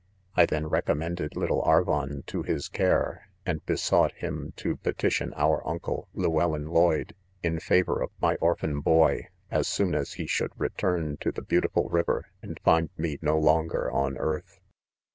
■ I . then recommended, lit tle Aivon to his care, and besought him to pe~ titi on our uncle, Llewellyn Lloyde, in ;favoi i: iM my orphan boy, as soon as he should return t& the beautiful river, and find. me no. longer on earth.